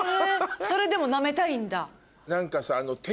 それでもなめたいんだ？